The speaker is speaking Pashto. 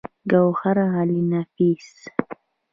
ګوهرعلي نفيس